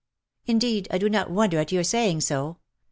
" Indeed I do not wonder at your saying so.